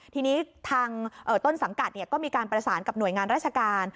ทีนี้ทางต้นสังกัดก็มีการประสานกับหน่วยงานราชการ